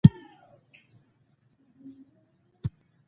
هم یې د تنوع حق ادا کړی.